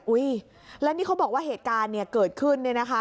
อุ๊ยแล้วนี่เขาบอกว่าเหตุการณ์เกิดขึ้น